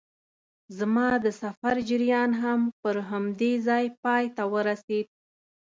زما د سفر جریان هم پر همدې ځای پای ته ورسېد.